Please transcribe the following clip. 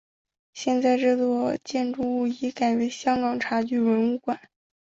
现在这座建筑物已改为香港茶具文物馆。